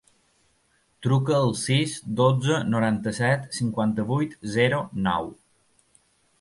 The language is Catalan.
Truca al sis, dotze, noranta-set, cinquanta-vuit, zero, nou.